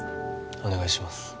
お願いします